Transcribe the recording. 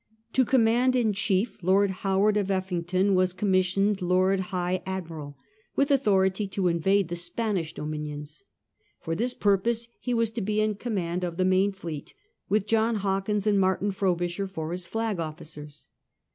To command in'chief Lord Howard of Efi&ngham was com missioned Lord High Admiral, with authority to invade the Spanish dominions. For this purpose he was to be in conunand of the main fleet, with John Hawkins and Martin Frobisher for his flag ofl&cers.